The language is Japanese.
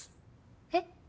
えっ？